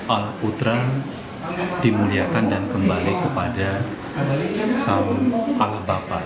alputra dimuliakan dan kembali kepada alap bapak